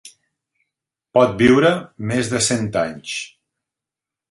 Pot viure més de cent anys.